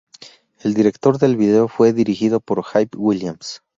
El director del vídeo fue dirigido por Hype Williams.